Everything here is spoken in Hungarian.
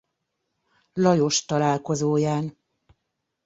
Lajos találkozóján.